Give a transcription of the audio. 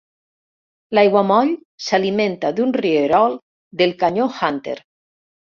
L'aiguamoll s'alimenta d'un rierol del canyó Hunter.